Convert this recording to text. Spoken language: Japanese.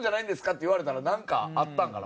って言われたらなんかあったんかな？